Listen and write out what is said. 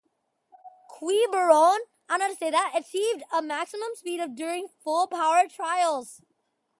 "Quiberon" achieved a maximum speed of during full-power trials.